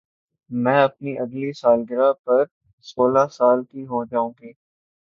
میں اپنی اگلی سالگرہ پر سولہ سال کی ہو جائو گی